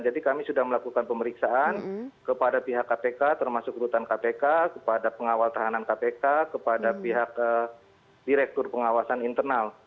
jadi kami sudah melakukan pemeriksaan kepada pihak kpk termasuk rutan kpk kepada pengawal tahanan kpk kepada pihak direktur pengawasan internal